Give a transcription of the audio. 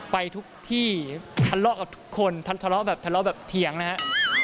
ไปทุกที่ทะเลาะกับทุกคนทันทะเลาะแบบทะเลาะแบบเถียงนะฮะ